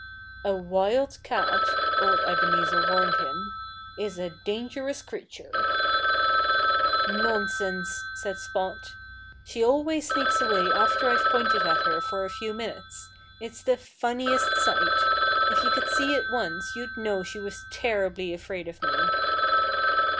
"A wild cat," old Ebenezer warned him, "is a dangerous creature." "Nonsense!" said Spot. "She always sneaks away after I've pointed at her for a few minutes. It's the funniest sight! If you could see it once you'd know she was terribly afraid of me."